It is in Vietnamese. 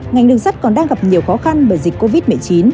ngành đường sắt còn đang gặp nhiều khó khăn bởi dịch covid một mươi chín